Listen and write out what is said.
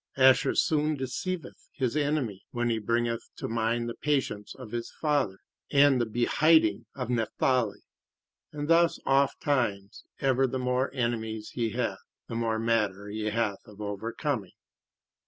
Asher soon deceiveth his enemy, when he bringeth to mind the patience of his father and the behighting of Naphtali, and thus oft times ever the more enemies he hath, the more matter he hath of overcoming.